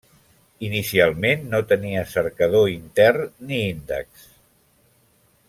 Inicialment no tenia cercador intern ni índexs.